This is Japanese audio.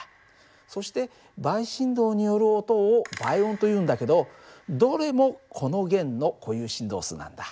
そして倍振動による音を倍音というんだけどどれもこの弦の固有振動数なんだ。